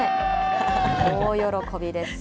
大喜びです。